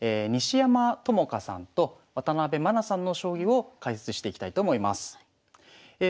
西山朋佳さんと渡部愛さんの将棋を解説していきたいと思います。